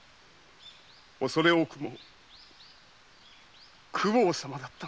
恐れ多くも公方様だったんだ。